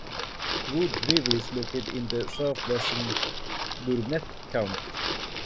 Wood River is located in southwestern Burnett County.